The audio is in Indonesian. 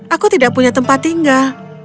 aku tidak punya tempat tinggal